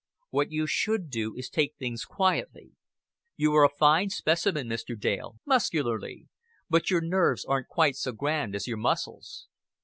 "What you should do is to take things quietly. You are a fine specimen, Mr. Dale, muscularly; but your nerves aren't quite so grand as your muscles."